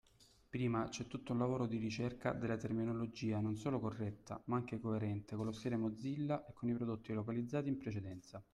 Prima c’è tutto un lavoro di ricerca della terminologia non solo corretta, ma anche coerente con lo stile Mozilla e con i prodotti localizzati in precedenza.